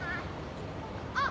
・あっ。